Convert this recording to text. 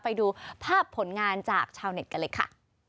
ไปดูภาพผลงานจากชาวเน็ตกันเลยค่ะ